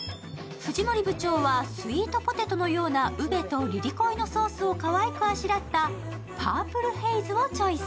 藤森部長はスイートポテトのようなウベとリリコイのソースをかわいくあしらったパープルヘイズをチョイス。